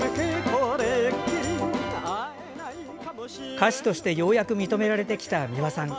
歌手として、ようやく認められてきた美輪さん。